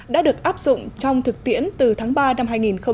đã được áp dụng trong thực tiễn từ tháng ba năm hai nghìn một mươi bảy